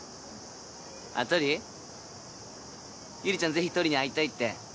ぜひトリに会いたいって。